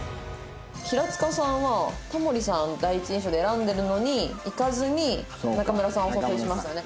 平塚さんは田森さん第一印象で選んでるのに行かずに中村さんをお誘いしましたよね。